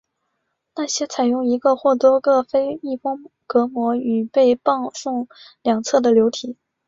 那些采用一个或多个非密封隔膜与被泵送两侧的流体。